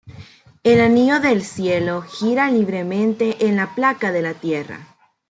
El anillo del cielo gira libremente en la placa de la tierra.